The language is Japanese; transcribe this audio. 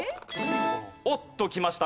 おっときました